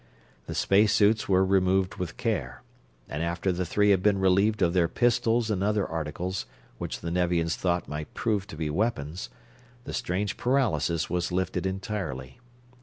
The space suits were removed with care, and after the three had been relieved of their pistols and other articles which the Nevians thought might prove to be weapons, the strange paralysis was lifted entirely.